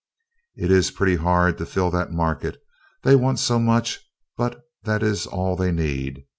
It is pretty hard to fill that market, they want so much; but that is all they need.